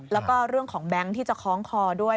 แล้วก็เรื่องของแบงค์ที่จะคล้องคอด้วย